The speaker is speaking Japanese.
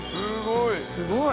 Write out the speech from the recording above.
すごい！